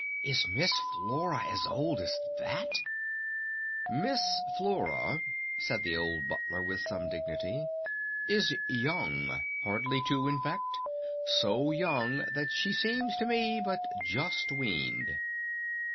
"Is Miss Flora as old as that?" "Miss Flora," said the old Butler with some dignity, "is young hardly two in fact so young that she seems to me but just weaned."